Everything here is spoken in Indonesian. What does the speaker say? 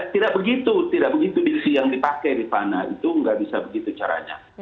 tidak begitu tidak begitu yang dipakai di pana itu nggak bisa begitu caranya